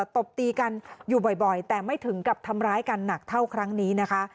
ตบตีกันอยู่บ่อยแต่ไม่ถึงกับทำร้ายกันหนักเท่าครั้งนี้นะคะ